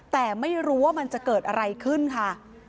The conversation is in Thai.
แต่ไม่รู้ว่ามันจะเกิดอะไรขึ้นค่ะ